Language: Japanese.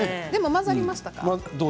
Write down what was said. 混ざりました。